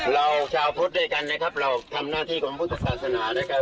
เราชาวพุทธด้วยกันนะครับเราทำหน้าที่ของพุทธศาสนานะครับ